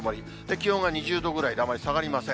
気温が２０度ぐらいであまり下がりません。